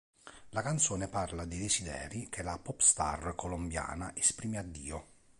La canzone parla dei desideri che la Popstar colombiana esprime a Dio.